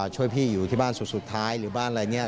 ช่วยพี่อยู่ที่บ้านสุดท้ายหรือบ้านอะไรเนี่ย